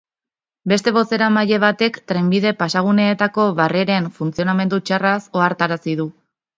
Beste bozeramaile batek trenbide-pasaguneetako barreren funtzionamendu txarraz ohartarazi du.